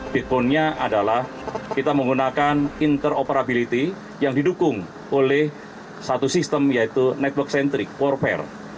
backbone nya adalah kita menggunakan interoperability yang didukung oleh satu sistem yaitu network centric for fair